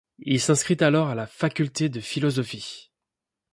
Il s'inscrit alors à la faculté de philosophie.